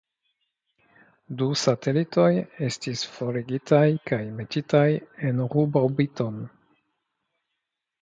Du satelitoj estis forigitaj kaj metitaj en ruborbiton.